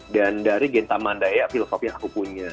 dan dari genta mandaya filosofi yang aku punya